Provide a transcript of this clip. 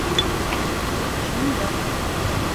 Ул шымды.